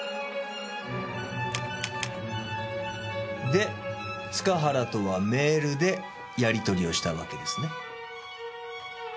で塚原とはメールでやり取りをしたわけですね？